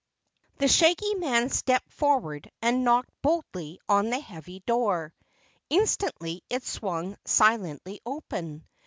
The Shaggy Man stepped forward and knocked boldly on the heavy door. Instantly it swung silently open.